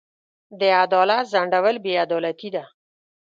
د عدالت ځنډول بې عدالتي ده.